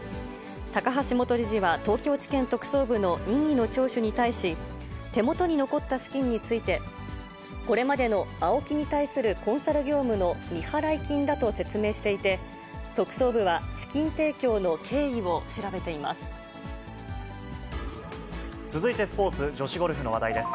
高橋元理事は東京地検特捜部の任意の聴取に対し、手元に残った資金について、これまでのＡＯＫＩに対するコンサル業務の未払金だと説明していて、特捜部は、資金提供の経緯を調べています。